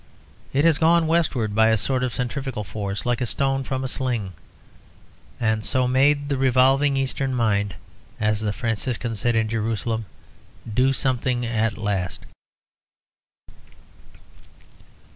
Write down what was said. It has gone westward by a sort of centrifugal force, like a stone from a sling; and so made the revolving Eastern mind, as the Franciscan said in Jerusalem, do something at last.